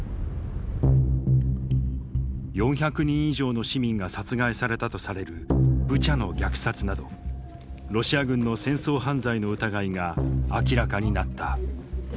４００人以上の市民が殺害されたとされるブチャの虐殺などロシア軍の戦争犯罪の疑いが明らかになった。